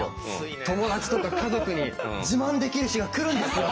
友達とか家族に自慢できる日が来るんですよ！